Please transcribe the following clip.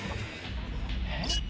・えっ？